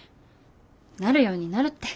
なるようになるって。